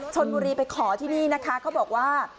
ชนบุรีไปขอที่นี่นะคะเขาบอกว่า